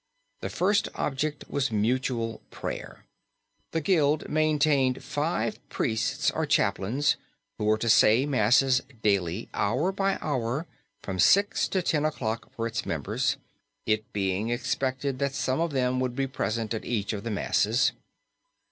The first object was mutual prayer. The Guild maintained five priests or chaplains who were to say masses daily, hour by hour, from six to ten o'clock for its members, it being expected that some of them would be present at each of the masses.